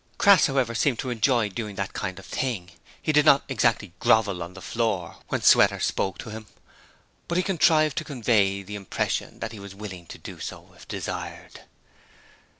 Crass however, seemed to enjoy doing that kind of thing. He did not exactly grovel on the floor, when Sweater spoke to him, but he contrived to convey the impression that he was willing to do so if desired.